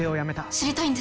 知りたいんです。